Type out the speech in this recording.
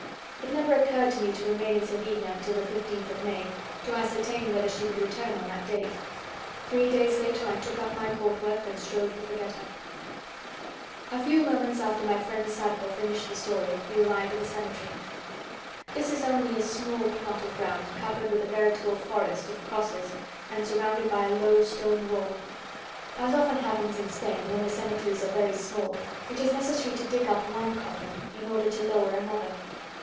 It never occurred to me to remain in Sevilla until the fifteenth of May to ascertain whether she would return on that date. Three days later I took up my court work and strove to forget her. A few moments after my friend Zarco finished the story, we arrived at the cemetery. This is only a small plot of ground covered with a veritable forest of crosses and surrounded by a low stone wall. As often happens in Spain, when the cemeteries are very small, it is necessary to dig up one coffin in order to lower another.